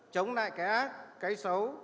chống lại cái ác cái xấu